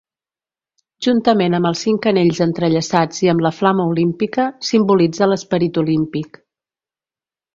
Juntament amb els cinc anells entrellaçats i amb la flama Olímpica, simbolitza l'esperit olímpic.